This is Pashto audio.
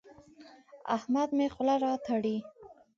احمد مې خوله راتړي.